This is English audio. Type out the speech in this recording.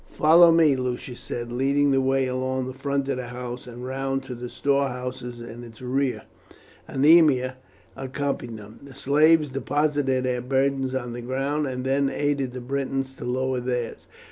"Follow me," Lucius said, leading the way along the front of the house, and round to the storehouses in its rear. Aemilia accompanied him. The slaves deposited their burdens on the ground, and then aided the Britons to lower theirs.